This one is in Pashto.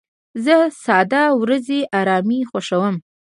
زه د ساده ورځو ارامي خوښوم.